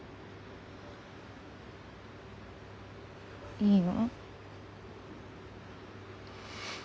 いいの？